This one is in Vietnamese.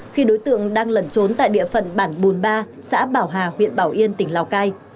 khi đối tượng đang lẩn trốn tại địa phận bản bùn ba xã bảo hà huyện bảo yên tỉnh lào cai